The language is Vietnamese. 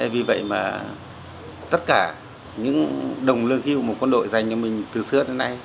vì vậy mà tất cả những đồng lương hiu của một con đội dành cho mình từ xưa đến nay